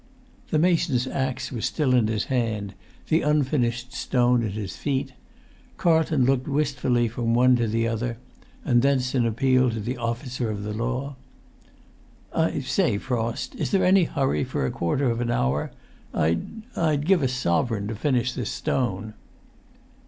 The mason's axe was still in his hand, the unfinished stone at his feet. Carlton looked wistfully from one to the other, and thence in appeal to the officer of the law. "I say, Frost, is there any hurry for a quarter of an hour? I'd—I'd give a sovereign to finish this stone!"